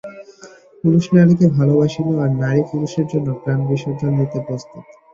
পুরুষ নারীকে ভালবাসিল, আর নারী পুরুষের জন্য প্রাণ বিসর্জন দিতে প্রস্তুত।